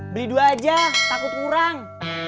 beli dua aja takut kurang